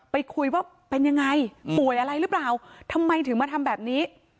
คุยว่าเป็นยังไงป่วยอะไรหรือเปล่าทำไมถึงมาทำแบบนี้